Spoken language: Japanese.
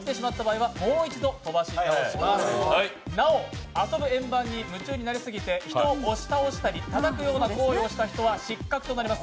なお、遊ぶ円盤に夢中になりすぎて、人を押したり、たたくような行為をした人は失格となります。